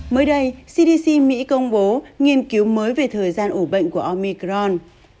mới đây cdc mỹ công bố nghiên cứu mới về thời gian ủ bệnh của omicron